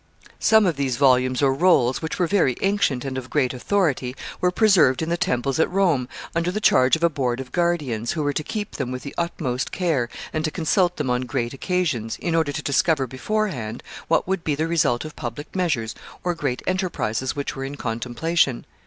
Some of these volumes or rolls, which were very ancient and of great authority, were preserved in the temples at Rome, under the charge of a board of guardians, who were to keep them with the utmost care, and to consult them on great occasions, in order to discover beforehand what would be the result of public measures or great enterprises which were in contemplation.